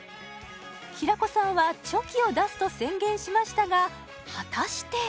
平子さんはチョキを出すと宣言しましたが果たして？